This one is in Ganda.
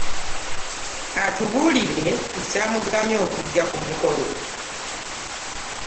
Atubuulire ekyamugaanyi okujja ku mukolo.